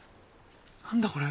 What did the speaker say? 何だこれ？